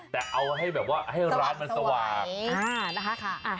แต่เอาแบบว่าให้ร้านมันสว่าง